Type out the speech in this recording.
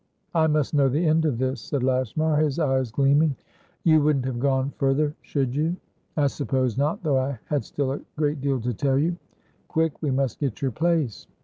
"I must know the end of this," said Lashmar, his eyes gleaming. "You wouldn't have gone further, should you?" "I suppose notthough I had still a great deal to tell you. Quick! We must get your place."